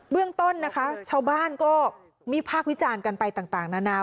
เรื่องต้นนะคะชาวบ้านก็วิพากษ์วิจารณ์กันไปต่างนานา